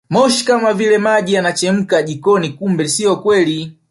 Moshi kama vile maji yanayochemka jikoni kumbe sio kweli